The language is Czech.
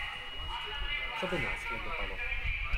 Co by následovalo?